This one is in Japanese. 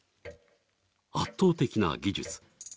圧倒的な技術。